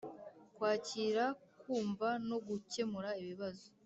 Kwakira kumva no gukemura ibibazo